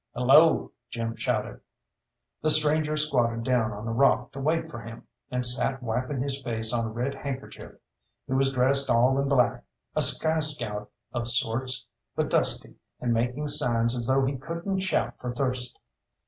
"Hello!" Jim shouted. The stranger squatted down on a rock to wait for him, and sat wiping his face on a red handkerchief. He was dressed all in black, a sky scout of sorts, but dusty and making signs as though he couldn't shout for thirst.